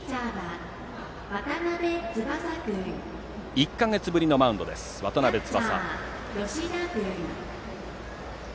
１か月ぶりのマウンドです渡邉翼。